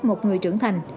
một người trưởng thành